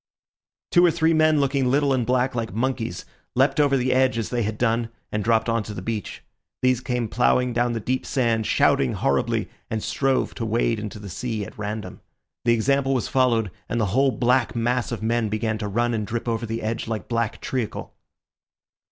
Two or three men, looking little and black like monkeys, leapt over the edge as they had done and dropped on to the beach. These came ploughing down the deep sand, shouting horribly, and strove to wade into the sea at random. The example was followed, and the whole black mass of men began to run and drip over the edge like black treacle.